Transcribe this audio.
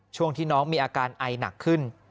ช่วงที่น้องมีอาการไอหนักขึ้น